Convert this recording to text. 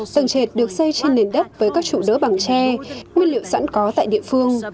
tầng trệt được xây trên nền đất với các trụ đỡ bằng tre nguyên liệu sẵn có tại địa phương